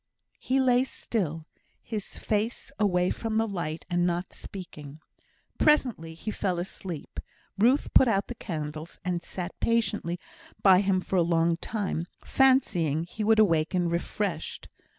He lay still, his face away from the light, and not speaking. Presently he fell asleep. Ruth put out the candles, and sat patiently by him for a long time, fancying he would awaken refreshed.